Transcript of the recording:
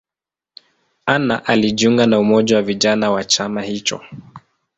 Anna alijiunga na umoja wa vijana wa chama hicho.